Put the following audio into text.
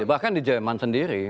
bahkan di jerman sendiri